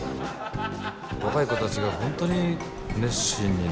若い子たちが本当に熱心にね